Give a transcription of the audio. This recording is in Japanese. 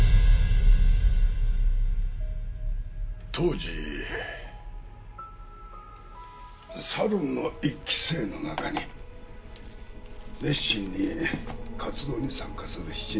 当時サロンの１期生の中に熱心に活動に参加する７人がいた。